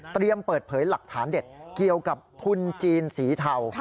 เปิดเผยหลักฐานเด็ดเกี่ยวกับทุนจีนสีเทา